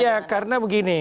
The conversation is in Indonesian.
iya karena begini